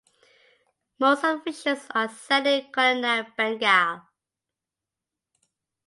Most of the fictions are set in colonial Bengal.